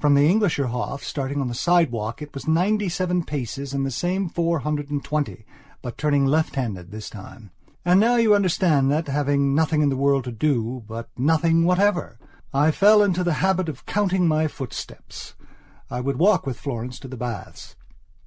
From the Englischer Hof, starting on the sidewalk, it was ninety seven paces and the same four hundred and twenty, but turning lefthanded this time. And now you understand that, having nothing in the world to dobut nothing whatever! I fell into the habit of counting my footsteps. I would walk with Florence to the baths.